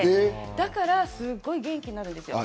だからすごく元気になるんですよ。